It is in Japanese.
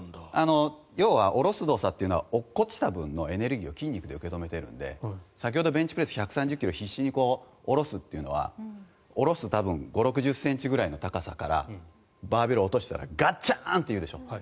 要は下ろす動作というのは落っこちた分のエネルギーを筋肉で受け止めているので先ほど、ベンチプレス１３０ｋｇ必死に下ろすというのは５０６０ｃｍくらいの高さからバーベルを落としたらガチャン！というでしょ。